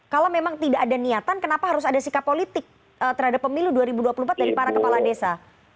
kalau memang tidak ada niatan kenapa harus ada sikap politik terhadap pemilu dua ribu dua puluh empat dari para kepala desa